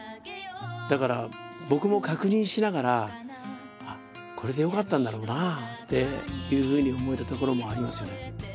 だから僕も確認しながらこれでよかったんだろうなっていうふうに思えたところもありますよね。